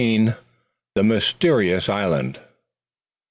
THE MYSTERIOUS ISLAND.